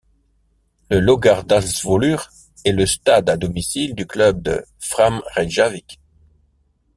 Le Laugardalsvöllur est le stade à domicile du club de Fram Reykjavík.